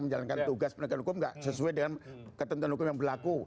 menjalankan tugas penegakan hukum tidak sesuai dengan ketentuan hukum yang berlaku